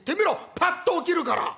パッと起きるから」。